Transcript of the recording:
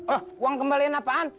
eh uang kembalian apaan